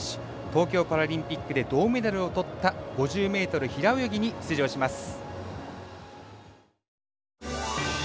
東京パラリンピックで銅メダルを取った５０ｍ平泳ぎに出場します。